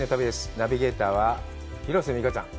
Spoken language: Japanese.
ナビゲーターは広瀬未花ちゃん。